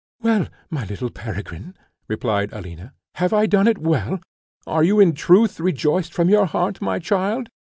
"Well, my little Peregrine," replied Alina, "have I done it well? Are you in truth rejoiced from your heart, my child?